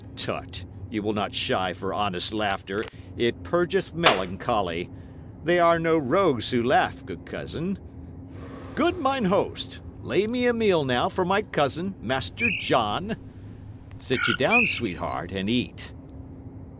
Tut! ye will not shy for honest laughter; it purgeth melancholy. They are no rogues who laugh, good cousin. Good mine host, lay me a meal now for my cousin, Master John. Sit ye down, sweetheart, and eat."